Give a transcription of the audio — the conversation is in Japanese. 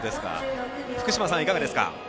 福島さん、いかがですか？